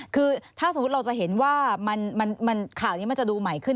คือถ้าสมมุติเราจะเห็นว่าข่าวนี้มันจะดูใหม่ขึ้น